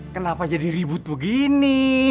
kenapa jadi ribut begini